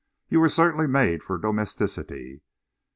You were certainly made for domesticity.